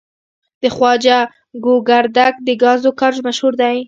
د خواجه ګوګردک د ګازو کان مشهور دی.